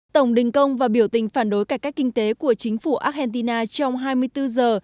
tổng đình công và biểu tình phản đối cải cách kinh tế của chính phủ argentina trong hai mươi bốn giờ